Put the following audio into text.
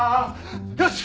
よし！